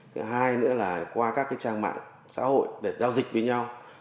cái hai nữa là qua các cái trang mạng xã hội để giao dịch với nhau